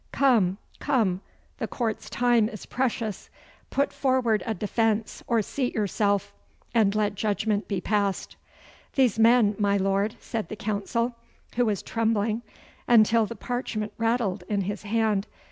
Come, come, the Court's time is precious. Put forward a defence, or seat yourself, and let judgment be passed.' 'These men, my Lord,' said the counsel, who was trembling until the parchment rattled in his hand.